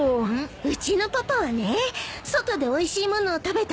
うちのパパはね外でおいしい物を食べたとき。